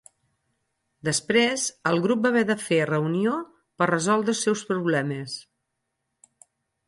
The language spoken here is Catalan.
Després, el grup va haver de fer reunió per resoldre els seus problemes.